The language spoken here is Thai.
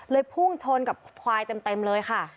พุ่งชนกับควายเต็มเลยค่ะ